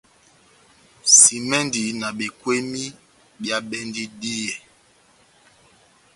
Simɛndi na bekweni bia bendi díyɛ.